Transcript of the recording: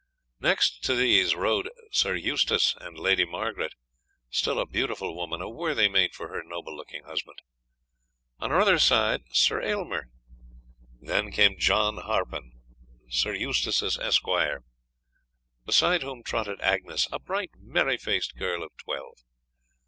Next to these rode Sir Eustace and Lady Margaret, still a beautiful woman, a worthy mate of her noble looking husband. On her other side rode Sir Aylmer; then came John Harpen, Sir Eustace's esquire; beside whom trotted Agnes, a bright, merry faced girl of twelve.